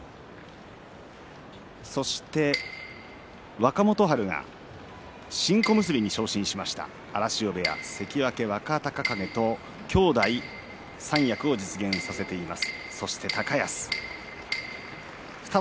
若元春、新小結に昇進しました荒汐部屋関脇若隆景と兄弟新三役を実現させています。